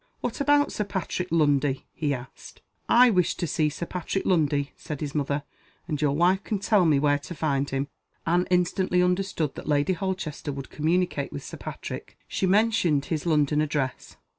"What about Sir Patrick Lundie?" he asked. "I wish to see Sir Patrick Lundie," said his mother. "And your wife can tell me where to find him." Anne instantly understood that Lady Holchester would communicate with Sir Patrick. She mentioned his London address.